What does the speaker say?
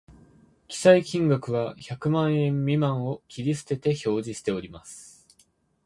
記載金額は百万円未満を切り捨てて表示しております